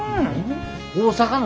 大阪の。